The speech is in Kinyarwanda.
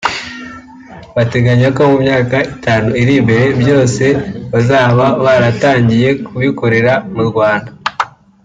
Bateganya ko mu myaka itanu iri imbere byose bazaba baratangiye kubikorera mu Rwanda